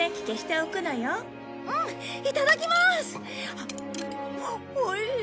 おいしい！